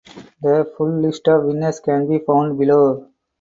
The full list of winners can be found below.